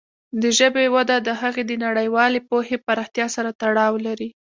د ژبې وده د هغې د نړیوالې پوهې پراختیا سره تړاو لري.